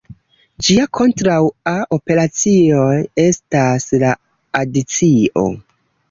Ĝia kontraŭa operacio estas la adicio.